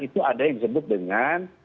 itu ada yang disebut dengan